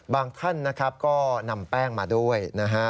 ท่านนะครับก็นำแป้งมาด้วยนะฮะ